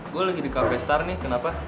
gue lagi di cafe star nih kenapa